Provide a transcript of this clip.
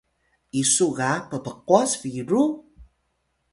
isu ga ppqwas biru?